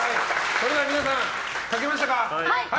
それでは皆さん書けましたか。